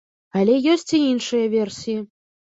Але ёсць і іншыя версіі.